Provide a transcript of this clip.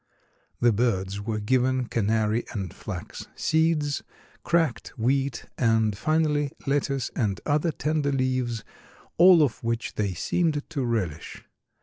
The birds were given canary and flax seeds, cracked wheat and finally lettuce and other tender leaves, all of which they seemed to relish.